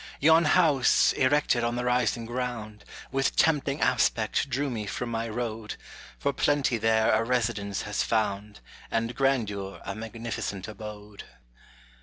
Yon house, erected on the rising ground, With tempting aspect drew me from my road, For plenty there a residence has found, And grandeur a magnificent abode.